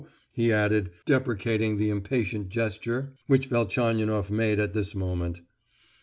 he added, deprecating the impatient gesture which Velchaninoff made at this moment.